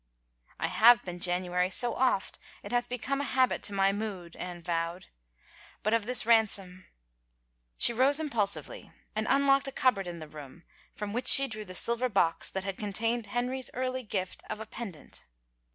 I have been January so oft it hath become a habit to my mood," Anne vowed. " But of this ransom —" She rose impulsively and unlocked a cupboard in the room from which she drew the silver box that had con tained Henry's early gift of a pendant.